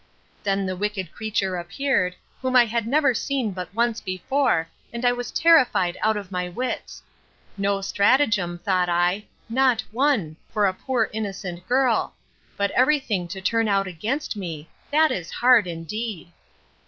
Then the wicked creature appeared, whom I had never seen but once before, and I was terrified out of my wits. No stratagem, thought I, not one! for a poor innocent girl; but every thing to turn out against me; that is hard indeed!